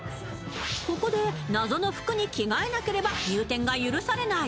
ここで謎の服に着替えなければ入店が許されない